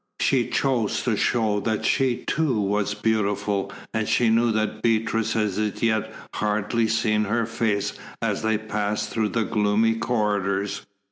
She chose to show that she, too, was beautiful, and she knew that Beatrice had as yet hardly seen her face as they passed through the gloomy corridors.